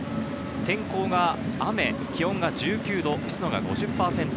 天候が雨、気温は１９度、湿度は５０％。